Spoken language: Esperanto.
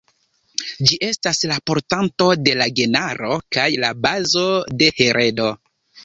Ĝi estas la portanto de la genaro kaj la bazo de heredo.